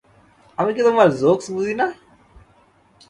আমি কি তোমার জোক্স বুঝি না?